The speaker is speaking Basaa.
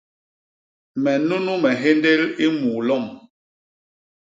Me nunu me nhéndél i muu lom.